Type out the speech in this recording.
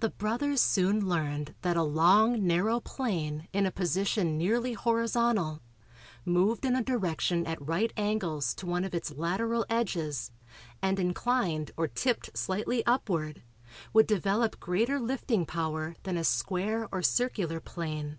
The brothers soon learned that a long narrow plane in a position nearly horizontal, moved in a direction at right angles to one of its lateral edges and inclined or "tipped" slightly upward would develop greater lifting power than a square or circular plane.